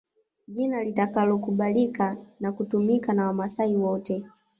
Jina litakalokubalika na kutumika na Wamaasai wote